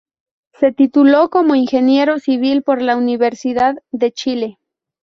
Se tituló como ingeniero civil por la Universidad de Chile.